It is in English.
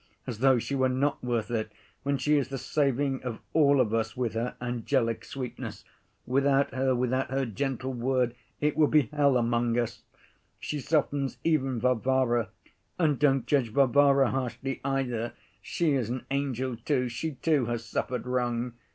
As though she were not worth it, when she is the saving of all of us with her angelic sweetness. Without her, without her gentle word it would be hell among us! She softens even Varvara. And don't judge Varvara harshly either, she is an angel too, she, too, has suffered wrong.